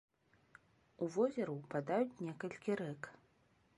У возера ўпадаюць некалькі рэк.